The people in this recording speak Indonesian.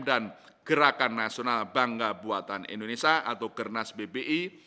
dan gerakan nasional bangga buatan indonesia atau gernas bpi